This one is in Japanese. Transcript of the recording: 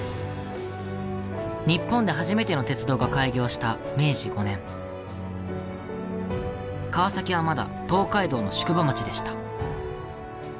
日本で初めての鉄道が開業した明治５年川崎はまだ東海道の宿場町でした。